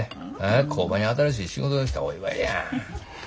工場に新しい仕事が来たお祝いや。